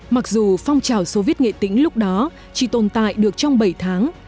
mặc dù phong trào soviet nghệ tĩnh lúc đó chỉ tồn tại được trong bảy tháng